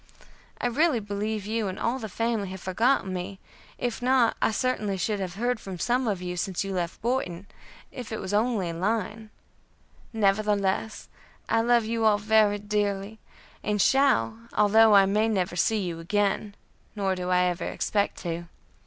I really believe you and all the family have forgotten me, if not I certainly should have heard from some of you since you left Boyton, if it was only a line; nevertheless I love you all very dearly, and shall, although I may never see you again, nor do I ever expect to.